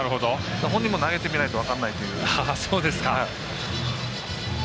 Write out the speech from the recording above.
本人も投げてみないと分からないという。